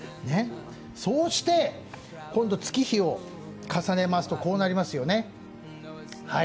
そうして、今度月日を重ねますとこうなりますよね。